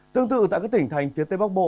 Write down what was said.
tương tự tại các tỉnh thành phía tây bắc bộ